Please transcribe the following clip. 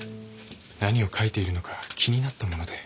何を書いているのか気になったもので。